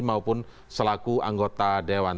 maupun selaku anggota dewan